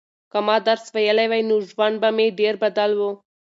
که ما درس ویلی وای نو ژوند به مې ډېر بدل و.